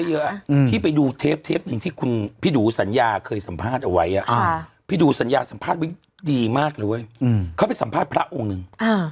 เยอะพี่ไปดูเทปเทปหนึ่งที่คุณพี่ดูสัญญาเคยสัมภาษณ์เอาไว้พี่ดูสัญญาสัมภาษณ์ดีมากเลยเว้ยเขาไปสัมภาษณ์พระองค์หนึ่ง